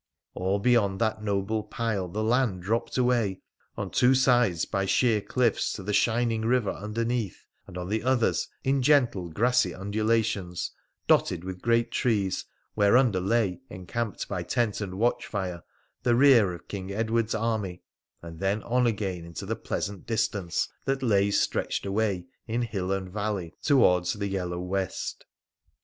All beyond that noble pile the land dropped away — on two sides by sheer cliffs to the shining river underneath — and on the others in gentle, grassy undulations, dotted with great trees, whereunder lay, encamped by tent and watchfire, the rear of King Edward's army, and then on again into the pleasant distance that lay stretched away in hill and valley towards the yellow west.